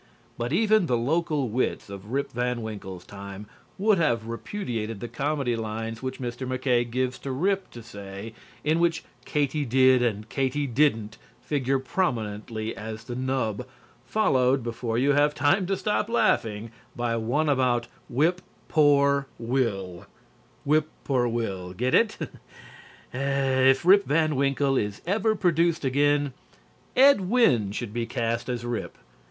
But even the local wits of Rip Van Winkle's time would have repudiated the comedy lines which Mr. MacKaye gives Rip to say in which "Katy did" and "Katy didn't" figure prominently as the nub, followed, before you have time to stop laughing, by one about "whip poor Will" (whippoorwill get it?). If "Rip Van Winkle" is ever produced again, Ed Wynn should be cast as Rip.